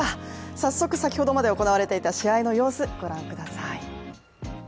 早速、先ほどまで行われていた試合の様子、ご覧ください。